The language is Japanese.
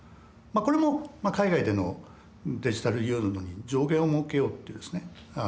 これも海外でのデジタルユーロに上限をもうけようっていうですね